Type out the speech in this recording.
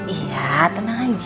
iya tenang aja